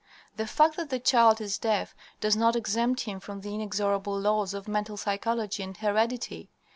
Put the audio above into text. The fact that the child is deaf does not exempt him from the inexorable laws of mental psychology and heredity.